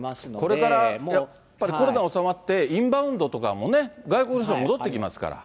これからやっぱりコロナ収まって、インバウンドとかもね、外国の人が戻ってきますから。